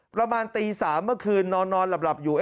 ประมาณตี๓เมื่อคืนนอนหลับอยู่